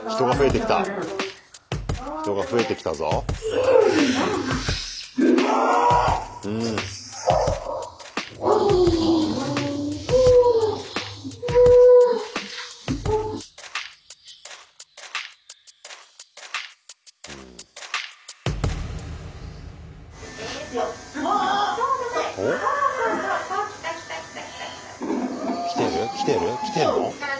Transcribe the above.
きてんの？